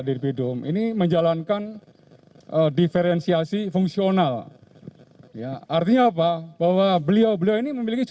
terima kasih pak